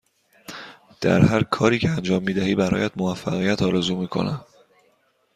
در هرکاری که انجام می دهی برایت موفقیت آرزو می کنم.